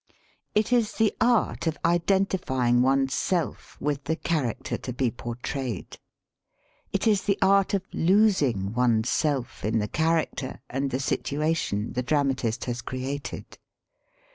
It is the art of identifying one's self with the charac ter to be portrayed. It is the art of losing one's self in the character and the situation the dramatist has created.